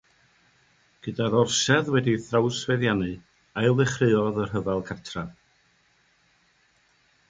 Gyda'r orsedd wedi'i thrawsfeddiannu, ailddechreuodd y rhyfel cartref.